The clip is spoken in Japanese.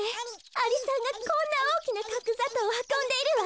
アリさんがこんなおおきなかくざとうをはこんでいるわ。